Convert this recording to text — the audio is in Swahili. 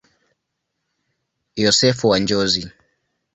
Yosefu wa Njozi.